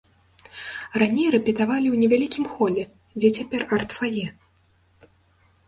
Раней рэпетавалі ў невялікім холе, дзе цяпер арт-фае.